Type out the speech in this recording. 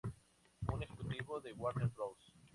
Un ejecutivo de Warner Bros.